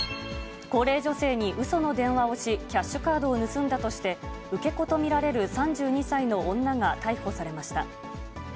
高齢女性にうその電話をし、キャッシュカードを盗んだとして、受け子と見られる３２歳の女が逮捕されました。